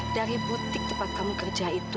dari butik tempat kami kerja itu